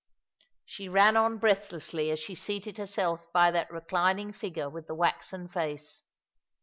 She ran on breathlessly as she seated herself by that re clining figure with the waxen face.